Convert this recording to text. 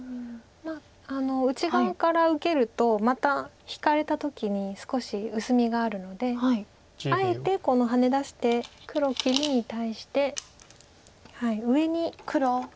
まあ内側から受けるとまた引かれた時に少し薄みがあるのであえてこのハネ出して黒切りに対して上にノビて。